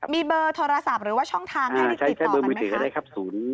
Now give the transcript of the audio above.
มีเบอร์โทรศัพท์หรือว่าช่องทางให้ได้ติดต่อกันไหมคะ